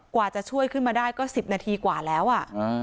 กว่าจะช่วยขึ้นมาได้ก็๑๐นาทีกว่าแล้วอ่ะ